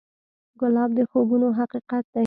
ګلاب د خوبونو حقیقت دی.